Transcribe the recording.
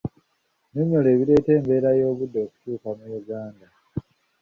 Nnyonnyola ebireetera embeera y'obudde okukyuka mu Uganda.